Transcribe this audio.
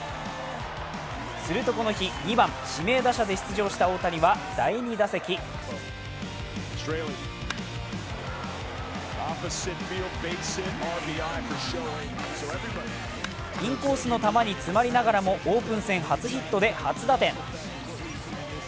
するとこの日、２番・指名打者で出場した大谷は第２打席インコースの球に詰まりながらもオープン戦初ヒットで初打点。